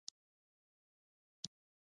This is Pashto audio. نسل بقا امکان اکتفا نه کوي.